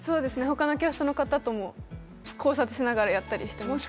他のキャストの方とも考察しながらやったりしてます